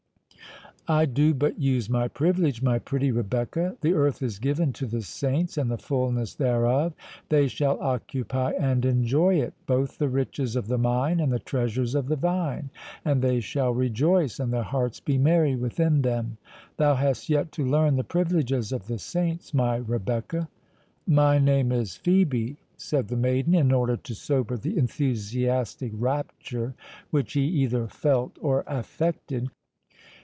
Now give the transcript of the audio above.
"I do but use my privilege, my pretty Rebecca; the earth is given to the saints, and the fulness thereof. They shall occupy and enjoy it, both the riches of the mine, and the treasures of the vine; and they shall rejoice, and their hearts be merry within them. Thou hast yet to learn the privileges of the saints, my Rebecca." "My name is Phœbe," said the maiden, in order to sober the enthusiastic rapture which he either felt or affected.